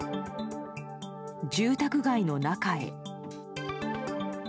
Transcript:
住宅街の中へ。